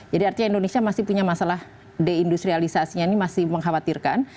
jadi artinya indonesia masih punya masalah deindustrialisasinya ini masih mengkhawatirkan